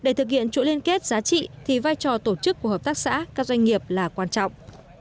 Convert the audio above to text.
để thực hiện chuỗi liên kết giá trị thì vai trò tổ chức của hợp tác xã các doanh nghiệp là quan trọng